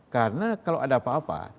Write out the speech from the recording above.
karena kalau ada apa apa